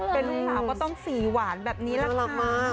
เป็นลูกสาวก็ต้องสีหวานแบบนี้แหละค่ะ